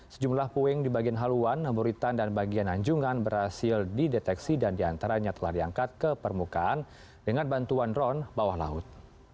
sejumlah puing di bagian haluan muritan dan bagian anjungan berhasil dideteksi dan diantaranya telah diangkat ke permukaan dengan bantuan drone bawah laut